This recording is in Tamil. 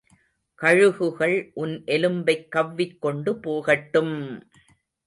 கழுகுகள் உன் எலும்பைக் கவ்விக் கொண்டு போகட்டும்!